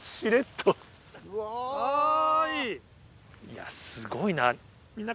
いやすごいな。